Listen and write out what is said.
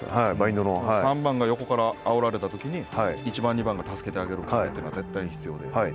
３番が横からあおられたときに１番２番が助けてあげる壁というのは絶対に必要で。